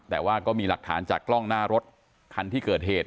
แต่ว่าก็มีหลักฐานจากกล้องหน้ารถคันที่เกิดเหตุ